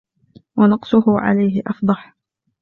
وَنَقْصُهُ عَلَيْهِ أَفْضَحُ